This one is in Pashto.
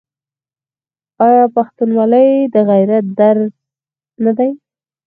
آیا پښتونولي د غیرت درس نه دی؟